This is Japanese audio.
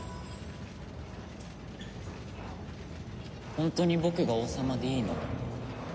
本当に僕が王様でいいの？